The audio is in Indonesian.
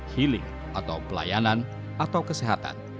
healing atau pelayanan atau kesehatan